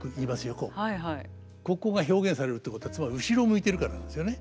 ここが表現されるってことはつまり後ろを向いてるからなんですよね。